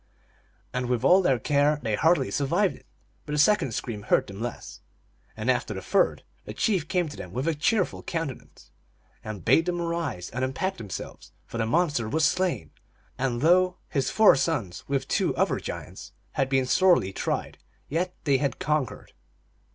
And with all their care they hardly survived it ; but the second scream hurt them less ; and after the third the chief came to them with a cheerful countenance, and bade them arise and unpack themselves, for the monster was slain, and though his four sons, with two other giants, had been sorely tried, yet they had conquered.